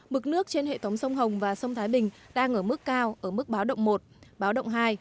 mực nước trên hệ thống sông hồng và sông thái bình đang ở mức cao ở mức báo động một báo động hai